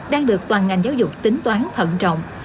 đang được toàn ngành giáo dục tính toán thận trọng